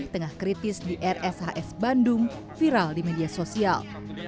tengah kritis di rshs bandung viral di media sosial